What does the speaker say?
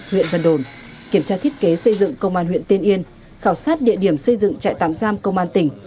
huyện vân đồn kiểm tra thiết kế xây dựng công an huyện tiên yên khảo sát địa điểm xây dựng trại tạm giam công an tỉnh